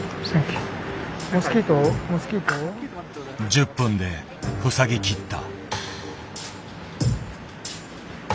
１０分で塞ぎきった。